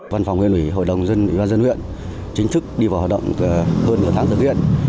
văn phòng huyện ủy hội đồng dân ủy ban dân huyện chính thức đi vào hoạt động hơn nửa tháng thực hiện